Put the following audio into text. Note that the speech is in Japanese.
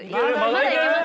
まだいけます。